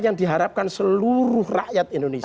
yang diharapkan seluruh rakyat indonesia